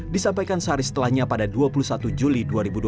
disampaikan sehari setelahnya pada dua puluh satu juli dua ribu dua puluh